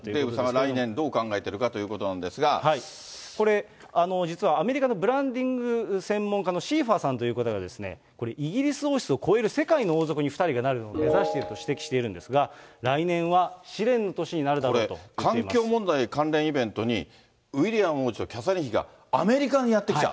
来年どう考えているかというこれ、実はアメリカのブランディング専門家のシーファーさんという方が、イギリス王室を超える世界の王族に２人がなることを目指していると指摘しているんですが、来年は、試練の年になるだろうといってま環境問題関連イベントに、ウィリアム王子とキャサリン妃がアメリカにやって来ちゃう？